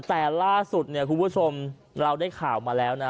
แต่ล่าสุดเนี่ยคุณผู้ชมเราได้ข่าวมาแล้วนะ